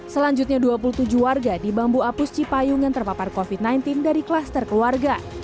selanjutnya dua puluh tujuh warga di bambu apus cipayung yang terpapar covid sembilan belas dari klaster keluarga